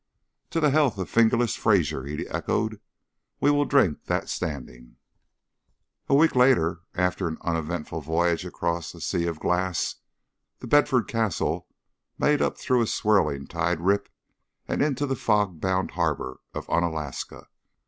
"To the health of 'Fingerless' Fraser," he echoed. "We will drink that standing." A week later, after an uneventful voyage across a sea of glass, The Bedford Castle made up through a swirling tide rip and into the fog bound harbor of Unalaska.